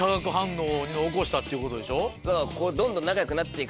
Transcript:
ニノ起こしたっていうことでしょ？